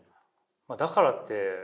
だからって